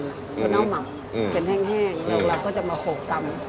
ข้าวเน่าหมักเป็นแห้งแล้วเราก็จะมาโขกตำ